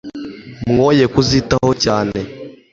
mwoye kuzitaho cyane